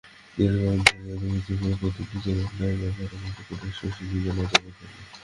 দীর্ঘকাল ধরিয়া কুসুমের প্রতি নিজের অন্যায় ব্যবহার মনে করিয়া শশীর লজ্জা বোধ হইল।